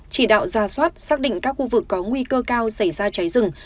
chỉ đạo ra soát xác định các khu vực có nguy cơ cao xảy ra cháy rừng